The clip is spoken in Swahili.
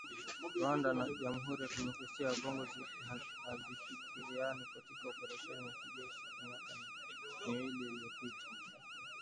Rwanda na Jamhuri ya kidemokrasia ya Kongo zilishirikiana katika operesheni ya kijeshi miaka miwili iliyopita katika kukabiliana na makundi ya waasi nchini Kongo